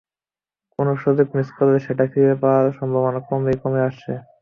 কোনো সুযোগ মিস করলে সেটা ফিরে পাওয়ার সম্ভাবনা ক্রমেই কমে আসছে।